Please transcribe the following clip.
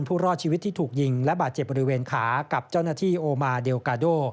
รอดชีวิตที่ถูกยิงและบาดเจ็บบริเวณขากับเจ้าหน้าที่โอมาเดลกาโด